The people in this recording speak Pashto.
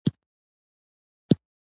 څنګ چې هر چا ته د خپلې خوښې د ژوند حق دے